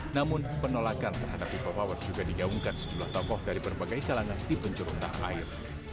namun penolakan terhadap people power juga digaungkan sejumlah tokoh dari berbagai kalangan di penjuru tanah air